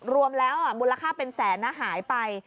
รวมแล้วมูลค่าเป็นแสนนะหายไป